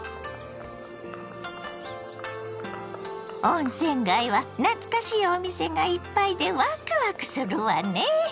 温泉街は懐かしいお店がいっぱいでワクワクするわね。